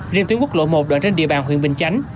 riêng tuyến quốc lộ một đoạn trên địa bàn huyện bình chánh